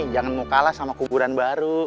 jangan mau kalah sama kuburan baru